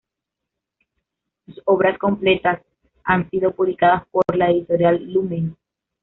Sus obras completas han sido publicadas por la Editorial Lumen.